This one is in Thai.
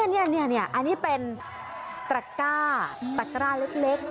นี่อันนี้เป็นตระก้าตระกร้าเล็ก